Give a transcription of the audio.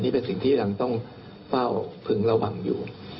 นี่เป็นสิ่งที่ยังต้องเฝ้าพึงระวังอยู่